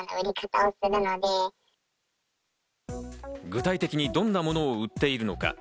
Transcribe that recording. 具体的にどんなものを売っているのか。